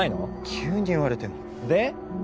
急に言われてもで？